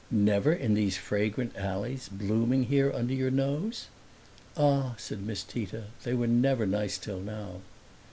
"Never in these fragrant alleys, blooming here under your nose?" "Ah," said Miss Tita, "they were never nice till now!"